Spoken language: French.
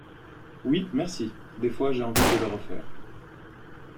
Oui merci, des fois j'ai envie de le refaire.